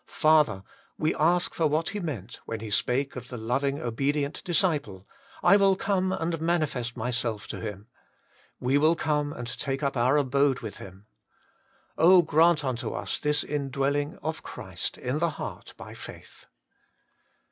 Father ! we ask for what He meant when He spake of the loving, obedient disciple :' I will come and manifest myself to him. We will come and take up our abode with him.' Oh, grant unto us this indwelling of Christ in the heart by faith